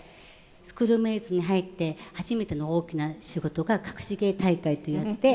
スクールメイツに入って初めての大きな仕事が『かくし芸大会』というやつで。